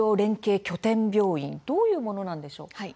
それはどういうものなんでしょうか。